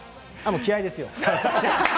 気合いですよ。